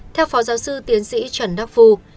theo phó giáo sư tiến sĩ trần đắc phu